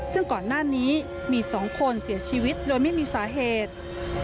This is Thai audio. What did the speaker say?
ซึ่งก่อนหน้านี้มี๒คนเสียชีวิตโดยไม่มีสาเหตุ